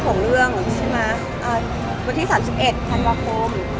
คือสีใช่ไหม